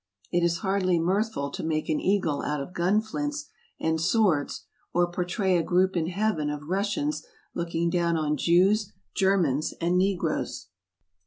It is hardly mirthful to make an eagle out of gun flints and swords, or portray a group in heaven of Rus sians looking down on Jews, Germans, and negroes.